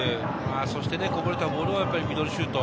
そして、こぼれたボールをミドルシュート。